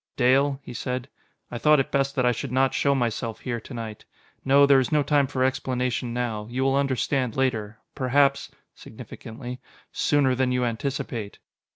"Dale," he said. "I thought it best that I should not show myself here to night. No, there is no time for explanation now; you will understand later. Perhaps" significantly "sooner than you anticipate.